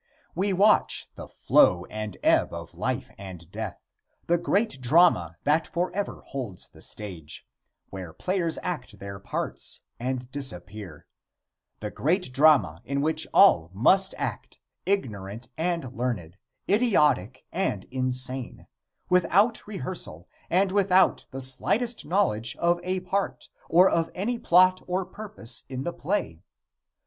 We watch the flow and ebb of life and death the great drama that forever holds the stage, where players act their parts and disappear; the great drama in which all must act ignorant and learned, idiotic and insane without rehearsal and without the slightest knowledge of a part, or of any plot or purpose in the play.